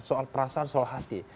soal perasaan soal hati